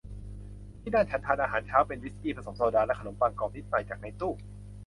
ที่นั่นฉันทานอาหารเช้าเป็นวิสกี้ผสมโซดาและขนมปังกรอบนิดหน่อยจากในตู้